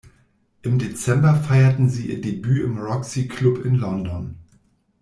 Im Dezember feierten sie ihr Debüt im Roxy Club in London.